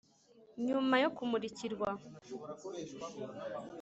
nyuma yo kumurikirwa,